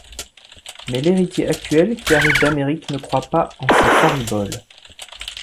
Mais l'héritier actuel, qui arrive d'Amérique, ne croit pas en ces fariboles.